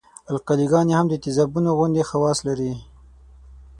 القلي ګانې هم د تیزابونو غوندې خواص لري.